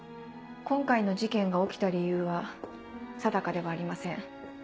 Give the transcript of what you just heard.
今回の事件が起きた理由は定かではありません。